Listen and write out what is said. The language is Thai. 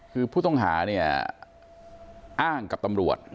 คือผู้ต้องหาเนี่ยอ้างกับตำรวจ